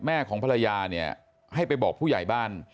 ของภรรยาเนี่ยให้ไปบอกผู้ใหญ่บ้าน